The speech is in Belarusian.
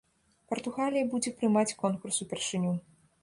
Партугалія будзе прымаць конкурс упершыню.